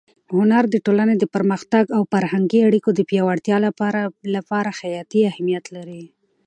هنر د ټولنې د پرمختګ او فرهنګي اړیکو د پیاوړتیا لپاره حیاتي اهمیت لري.